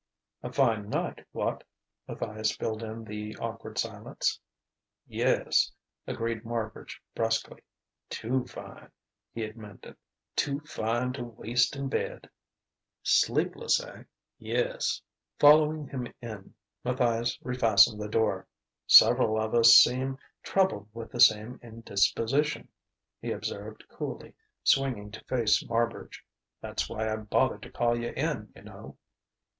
"A fine night, what?" Matthias filled in the awkward silence. "Yes," agreed Marbridge brusquely. "Too fine," he amended "too fine to waste in bed." "Sleepless, eh?" "Yes." Following him in, Matthias refastened the door. "Several of us seem troubled with the same indisposition," he observed coolly, swinging to face Marbridge. "That's why I bothered to call you in, you know."